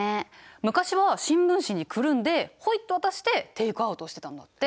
昔は新聞紙にくるんでホイッと渡してテイクアウトをしてたんだって。